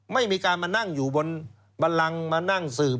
ไม่มีการมานั่งอยู่บนบันลังมานั่งสืบ